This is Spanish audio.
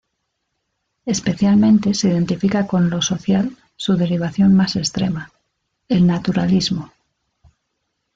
Especialmente se identifica con "lo social" su derivación más extrema, el naturalismo.